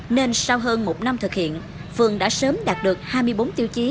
nên sau hơn một năm thực hiện phường đã sớm đạt được hai mươi bốn tiêu chí